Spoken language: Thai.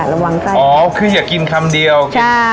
นั่นแหละค่ะระวังไส้อ๋อคืออยากกินคำเดียวใช่